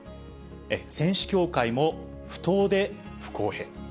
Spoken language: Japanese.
選手協会も不当で不公平。